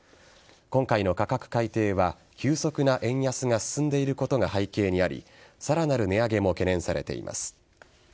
今回の価格改定は急速な円安が進んでいることが背景にありさらなる値上げも懸念されています。